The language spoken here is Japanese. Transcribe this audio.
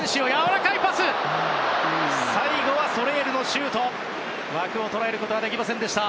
ソレールのシュートは枠を捉えることができませんでした。